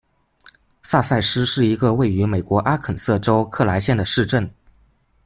萨塞斯是一个位于美国阿肯色州克莱县的市镇。